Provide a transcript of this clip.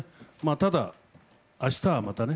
ただ明日はまたね